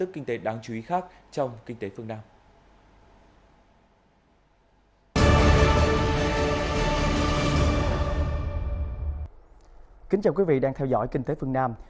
kính chào quý vị đang theo dõi kinh tế phương nam